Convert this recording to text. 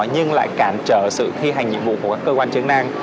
nhưng lại cản trở sự thi hành nhiệm vụ của các cơ quan chức năng